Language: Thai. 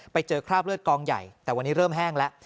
ไปเจอคราบเลือดกองใหญ่แต่วันนี้เริ่มแห้งแล้ว